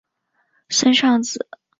森尚子。